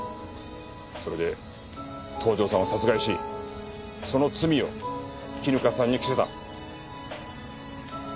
それで東条さんを殺害しその罪を絹香さんに着せた。